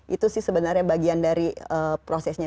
itu sih sebenarnya bagian dari prosesnya